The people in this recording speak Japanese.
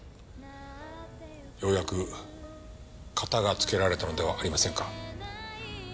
ようやくカタがつけられたのではありませんか？